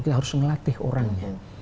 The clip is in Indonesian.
kita harus ngelatih orangnya